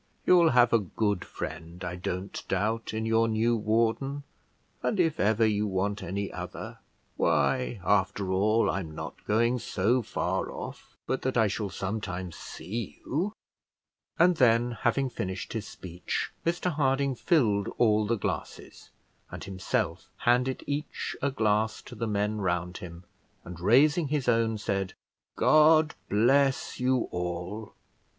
You'll have a good friend, I don't doubt, in your new warden; and if ever you want any other, why after all I'm not going so far off but that I shall sometimes see you;" and then, having finished his speech, Mr Harding filled all the glasses, and himself handed each a glass to the men round him, and raising his own said: "God bless you all!